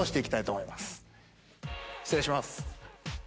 失礼します。